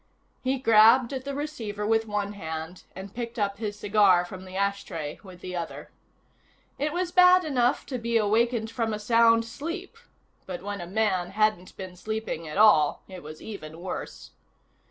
He grabbed at the receiver with one hand, and picked up his cigar from the ashtray with the other. It was bad enough to be awakened from a sound sleep but when a man hadn't been sleeping at all, it was even worse.